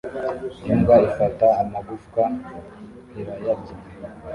Imbwa ifata amagufwa irayarya